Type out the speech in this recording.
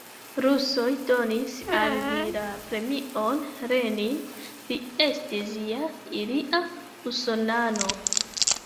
Rusoj donis al li la premion Lenin, li estis ja ilia usonano.